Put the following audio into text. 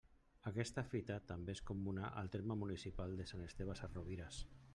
Aquesta fita també és comuna al terme municipal de Sant Esteve Sesrovires.